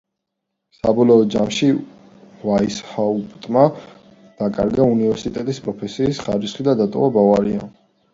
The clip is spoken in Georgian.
საბოლოო ჯამში, ვაისჰაუპტმა დაკარგა უნივერსიტეტის პროფესორის ხარისხი და დატოვა ბავარია.